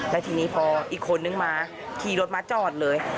แล้วทีนี้พออีกคนนึงมาขี่รถมาจอดเลย